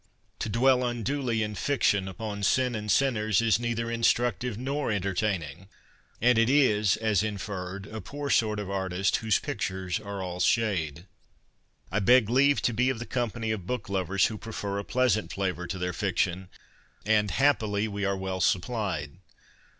To dwell unduly in fiction upon sin and sinners is neither instructive nor entertaining, and it is, as inferred, a poor sort of artist whose pictures are all shade. I beg leave to be of the company of book lovers who prefer a pleasant flavour to their fiction, and, happily, we are well supplied.